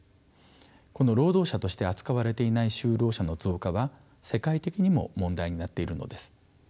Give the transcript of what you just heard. この労働者として扱われていない就労者の増加は世界的にも問題になっているのです。